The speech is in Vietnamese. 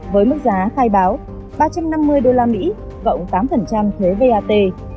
với mức giá khai báo ba trăm năm mươi usd cộng tám thuế vat